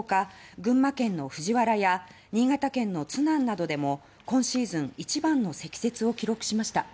群馬県の藤原や新潟県の津南などでも今シーズン一番の積雪を記録しました。